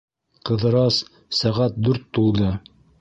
Ҡыҙырас, сәғәт дүрт тулды!